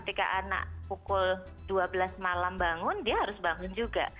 ketika anak pukul dua belas malam bangun dia harus bangun juga